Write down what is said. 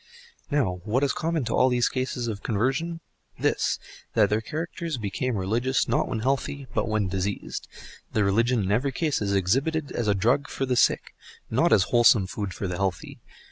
Now, what is common to all these cases of conversion? This: that the characters become religious, not when healthy, but when diseased; the religion in every case is exhibited as a drug for the sick, not as wholesome food for the healthy.